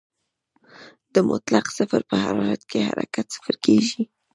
د مطلق صفر په حرارت کې حرکت صفر کېږي.